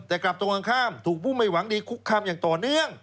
แต่กลับตรงกันข้ามถูกผู้ไม่หวังดีคุกคามอย่างต่อเนื่อง